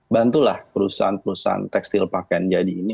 bantulah perusahaan perusahaan tekstil pakaian jadi ini